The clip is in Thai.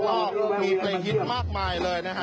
ก็มีเพลงฮิตมากมายเลยนะฮะ